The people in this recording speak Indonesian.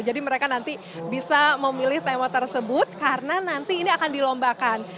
jadi mereka nanti bisa memilih tema tersebut karena nanti ini akan dilombakan